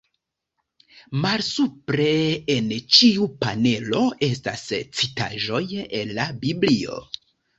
Malsupre en ĉiu panelo, estas citaĵoj el la Biblio.